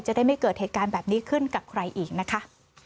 จะได้ไม่เกิดเหตุการณ์แบบนี้ขึ้นกับใครอีกนะคะ